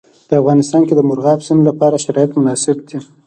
په افغانستان کې د مورغاب سیند لپاره شرایط مناسب دي.